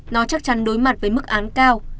nó chắc chắn đối mặt với mức án cao